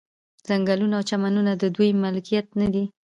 ځنګلونه او چمنونه د دوی ملکیت وو.